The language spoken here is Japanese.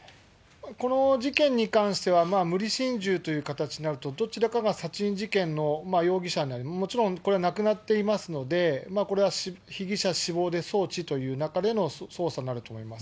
この事件に関しては無理心中という形になると、どちらかが殺人事件の容疑者になり、もちろんこれはなくなっていますので、これは被疑者死亡で送致という中での捜査になると思います。